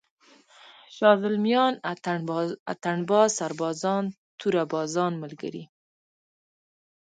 شازِلْمیان، اتڼ باز، سربازان، توره بازان ملګري!